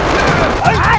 besar besaran an illustration